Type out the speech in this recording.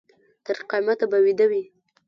تر قیامته به ویده وي.